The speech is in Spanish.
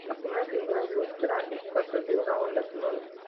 La primera figura ilustra el caso de una onda sonora.